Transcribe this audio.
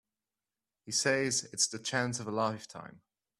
He says it's the chance of a lifetime.